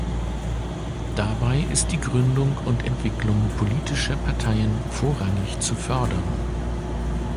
Dabei ist die Gründung und Entwicklung politischer Parteien vorrangig zu fördern.